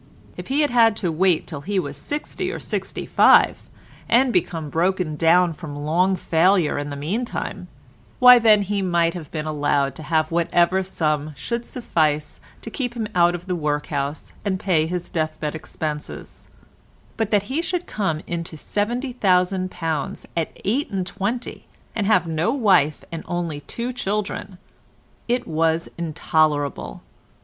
If he had had to wait till he was sixty or sixty five, and become broken down from long failure in the meantime, why then perhaps he might have been allowed to have whatever sum should suffice to keep him out of the workhouse and pay his death bed expenses; but that he should come in to £70,000 at eight and twenty, and have no wife and only two children—it was intolerable.